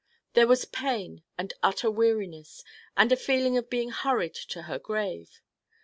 There was pain, and utter weariness, and a feeling of being hurried to her grave.